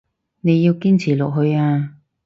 你要堅持落去啊